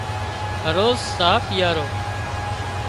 هروز ساهَه پيئارو